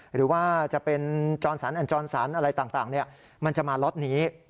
หรือว่าจะเป็นจรสันอันจรสันอะไรต่างมันจะมาล็อตนี้